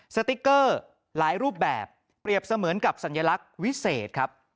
สติ๊กเกอร์หลายรูปแบบเปรียบเสมือนกับสัญลักษณ์วิเศษครับ